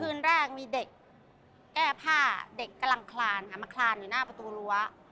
คืนแรกมีเด็กแก้ผ้าเด็กกำลังคลานค่ะมาคลานอยู่หน้าประตูรั้ว